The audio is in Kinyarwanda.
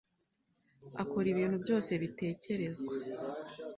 akora ibintu byose bitekerezwa